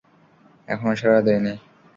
এখনো সাড়া দেয়নি।